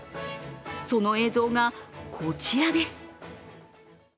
その映像がこちらです。